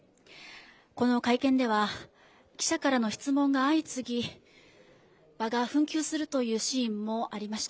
この会見では、記者からの質問が相次ぎ場が紛糾するという場面もありました。